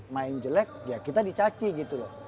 main jelek ya kita dicaci gitu loh